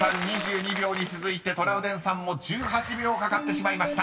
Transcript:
２２秒に続いてトラウデンさんも１８秒かかってしまいました。